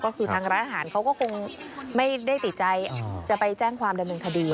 ก็คือทางร้านอาหารเขาก็คงไม่ได้ติดใจจะไปแจ้งความดำเนินคดี